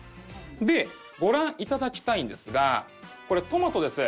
でご覧頂きたいんですがこれトマトです。